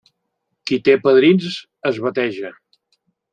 Qui té padrins es bateja.